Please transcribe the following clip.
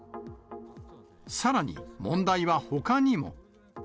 さらに、問題はほかにも。